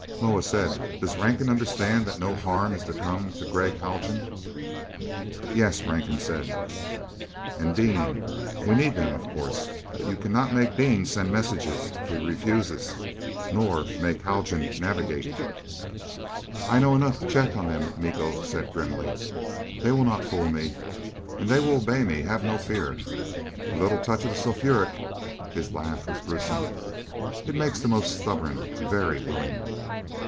Moa said, "Does Rankin understand that no harm is to come to Gregg Haljan?" "Yes," Rankin said. "And Dean. We need them, of course. But you cannot make Dean send messages if he refuses, nor make Haljan navigate." "I know enough to check on them," Miko said grimly. "They will not fool me. And they will obey me, have no fear. A little touch of sulphuric " His laugh was gruesome. "It makes the most stubborn, very willing."